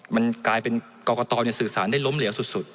มันกลายเป็นกรกตสื่อสารได้ล้มเหลวสุด